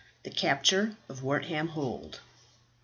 THE CAPTURE OF WORTHAM HOLD.